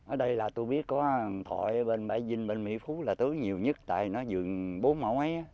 ở đây là tôi biết có thọ bên bãi vinh bên mỹ phú là tưới nhiều nhất tại nó dùng bốn mẫu ấy